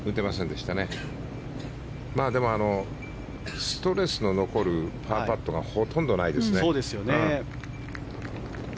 でもストレスの残るパーパットがほとんどないですね。